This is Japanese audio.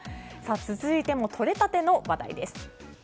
続いても、とれたての話題です。